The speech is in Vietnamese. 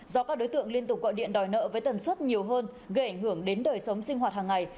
do các đối tượng liên tục gọi điện đòi nợ với tần suất nhiều hơn gây ảnh hưởng đến đời sống sinh hoạt hàng ngày